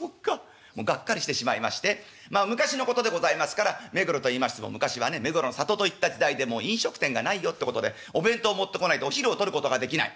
がっかりしてしまいましてまあ昔のことでございますから目黒といいましても昔はね目黒の里と言った時代でもう飲食店がないよってことでお弁当持ってこないとお昼をとることができない。